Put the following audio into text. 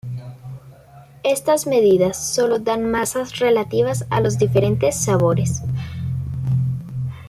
Estas medidas solo dan masas relativas a los diferentes sabores.